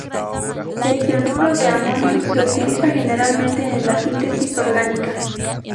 El cianuro de amonio se utiliza generalmente en la síntesis orgánica.